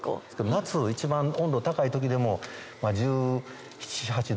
夏一番温度高い時でも１７１８℃。